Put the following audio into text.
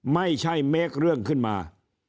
ไม่ใช่เมคเรื่องขึ้นมา